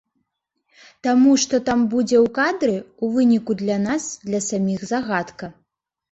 Таму што там будзе ў кадры, у выніку для нас для саміх загадка.